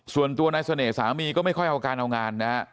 ส่วนตัวนายเสน่ห์สามีก็ไม่ค่อยเอาการเอางานนะฮะ